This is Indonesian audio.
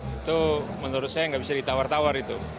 itu menurut saya nggak bisa ditawar tawar itu